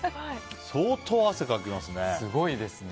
相当汗かきますね。